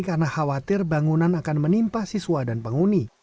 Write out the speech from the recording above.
karena khawatir bangunan akan menimpa siswa dan penguni